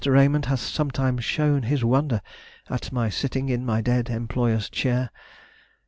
Raymond has sometimes shown his wonder at my sitting in my dead employer's chair.